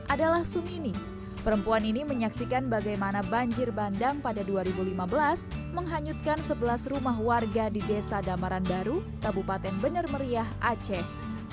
adalah sumini perempuan ini menyaksikan bagaimana banjir bandang pada dua ribu lima belas menghanyutkan sebelas rumah warga di desa damaran baru kabupaten benar meriah aceh